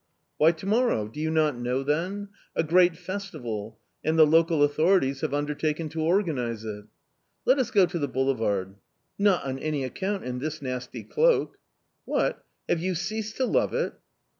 "Why, to morrow! Do you not know, then? A great festival and the local authorities have undertaken to organize it"... "Let us go to the boulevard"... "Not on any account, in this nasty cloak"... "What! Have you ceased to love it?"...